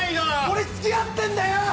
俺つきあってんだよー！